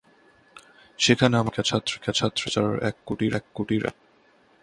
সেখানে আমার জনৈকা ছাত্রী মিস ডাচারের এক কুটীর আছে।